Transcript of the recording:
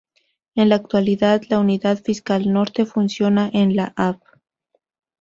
En la actualidad, la Unidad Fiscal Norte, funciona en la Av.